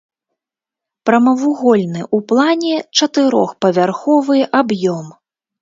Прамавугольны ў плане чатырохпавярховы аб'ём.